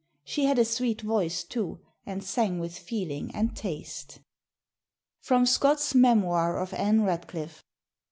She had a sweet voice too, and sang with feeling and taste." [Sidenote: Scott's Memoir of Ann Radcliffe.